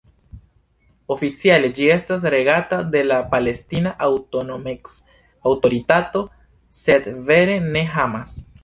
Oficiale ĝi estas regata de la Palestina Aŭtonomec-Aŭtoritato, sed vere de Hamas.